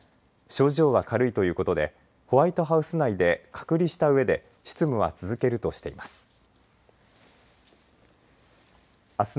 症状は軽いということでホワイトハウス内で隔離したうえで執務は続けるとしています。